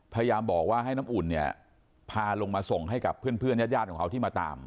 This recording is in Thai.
พยายามบอกว่าให้น้ำอุ่นเนี่ยพาลงมาส่งให้กับเพื่อนญาติของเขาที่มาตาม